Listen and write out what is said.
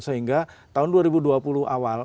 sehingga tahun dua ribu dua puluh awal